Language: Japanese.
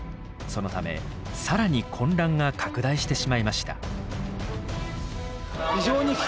そのため更に混乱が拡大してしまいました。